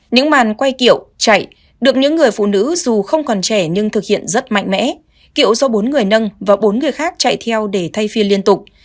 những màn quay kiểu chạy được những người phụ nữ dù không còn trẻ nhưng thực hiện rất mạnh mẽ kiệu do bốn người nâng và bốn người khác chạy theo để thay phiên liên tục